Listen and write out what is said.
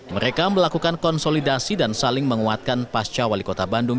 mereka melakukan konsolidasi dan saling menguatkan pasca wali kota bandung